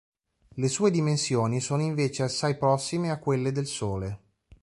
Le sue dimensioni sono invece assai prossime a quelle del Sole.